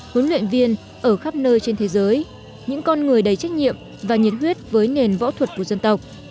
huấn luyện viên ở khắp nơi trên thế giới những con người đầy trách nhiệm và nhiệt huyết với nền võ thuật của dân tộc